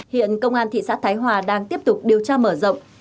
hiện công an thị xã thái hòa đang tiếp tục điều tra mở rộng